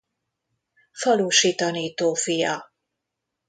Falusi tanító fia.